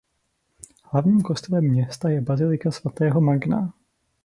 Hlavním kostelem města je bazilika svatého Magna.